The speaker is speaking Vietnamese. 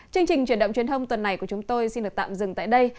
chương trình truyền động truyền thông tuần này của chúng tôi xin được tạm dừng tại đây